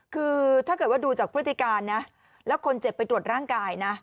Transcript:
คือถ้าเกิดว่าดูจากพฤติการนะแล้วคนเจ็บไปตรวจร่างกายนะ